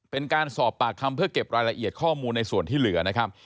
เป็นการสอบปากคำเพื่อเก็บรายละเอียดข้อมูลในส่วนที่เหลือนะครับ